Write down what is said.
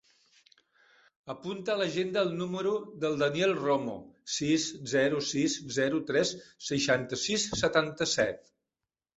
Apunta a l'agenda el número del Daniel Romo: sis, zero, sis, zero, tres, seixanta-sis, setanta-set.